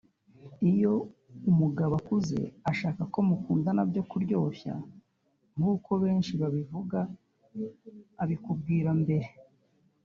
Iyo umugabo ukuze ashaka ko mukundana byo kuryoshya nkuko benshi babivuga abikubwira mbere